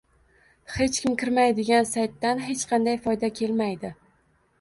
Hech kim kirmaydigan saytdan hech qanday foyda kelmaydi